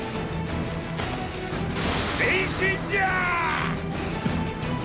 前進じゃア！！！